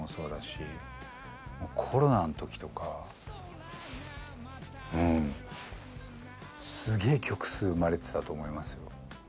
もうコロナの時とかうんすげえ曲数生まれてたと思いますよ。